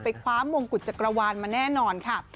คว้ามงกุฎจักรวาลมาแน่นอนค่ะ